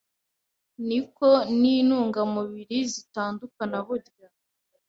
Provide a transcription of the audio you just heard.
niko n’intungamubiri zitandukana burya